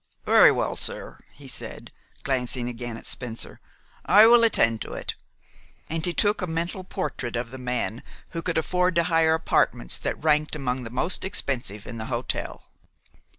"Very well, sir," he said, glancing again at Spencer, "I will attend to it;" and he took a mental portrait of the man who could afford to hire apartments that ranked among the most expensive in the hotel.